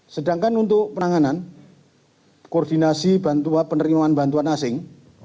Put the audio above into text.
sedangkan untuk penanganan koordinasi bantuan penerimaan bantuan asing